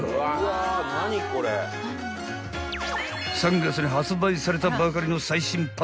［３月に発売されたばかりの最新パンのお供］